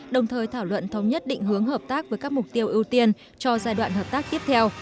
đồng thời thảo luận thống nhất định hướng hợp tác với các mục tiêu ưu tiên cho giai đoạn hợp tác tiếp theo